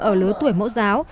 ở lứa tuổi mẫu dân